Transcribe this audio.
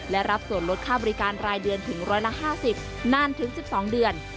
และรับส่วนลดค่าบริการรายเดือนถึง๑๕๐นานถึง๑๒เดือน